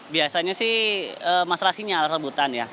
biasanya sih mas rasimnya ala rambutan ya